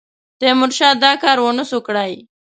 تیمورشاه دا کار ونه سو کړای.